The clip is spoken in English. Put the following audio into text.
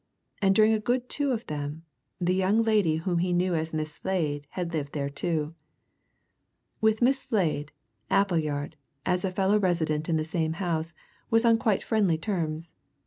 And during a good two of them, the young lady whom he knew as Miss Slade had lived there too. With Miss Slade, Appleyard, as fellow resident in the same house, was on quite friendly terms.